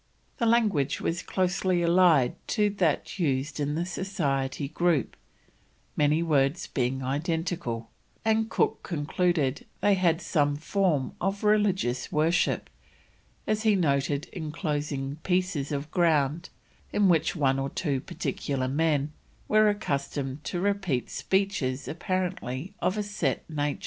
The language was closely allied to that used in the Society Group, many words being identical; and Cook concluded they had some form of religious worship, as he noted enclosed pieces of ground in which one or two particular men were accustomed to repeat speeches apparently of a set nature.